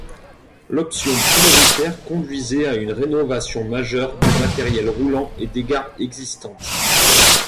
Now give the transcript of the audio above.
L'option prioritaire conduisait à une rénovation majeure du matériel roulant et des gares existantes.